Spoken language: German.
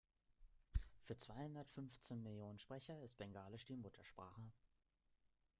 Für zweihundertfünfzehn Millionen Sprecher ist Bengalisch die Muttersprache.